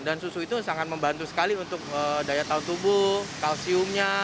dan susu itu sangat membantu sekali untuk daya tahun tubuh kalsiumnya